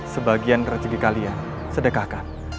sebagian rezeki kalian sedekahkan